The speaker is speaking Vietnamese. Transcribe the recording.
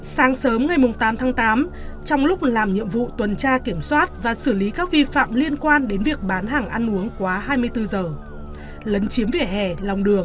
sáng sớm ngày tám tháng tám trong lúc làm nhiệm vụ tuần tra kiểm soát và xử lý các vi phạm liên quan đến việc bán hàng ăn uống quá hai mươi bốn giờ